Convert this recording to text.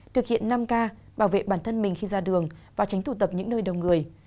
thực hiện năm k bảo vệ bản thân mình khi ra đường và tránh tụ tập những nơi đông người